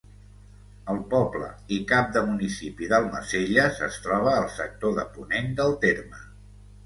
El poble i cap de municipi d'Almacelles es troba al sector de ponent del terme.